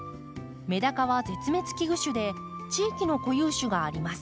メダカは絶滅危惧種で地域の固有種があります。